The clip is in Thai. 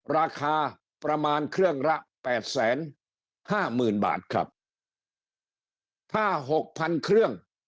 ราคาประมาณเครื่องละแปดแสนห้าหมื่นบาทครับถ้าหกพันเครื่อง